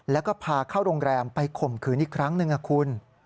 แล้วก็พาเข้าโรงแรมไปข่มขืนอีกครั้งหนึ่งนะคุณ